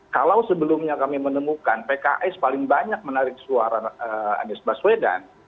kalau sebelumnya kami menemukan pks paling banyak menarik suara anies baswedan